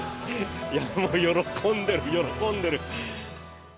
喜んでる、喜んでる。